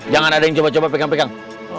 jangan ada yang coba coba pegang pegang